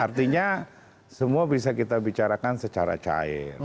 artinya semua bisa kita bicarakan secara cair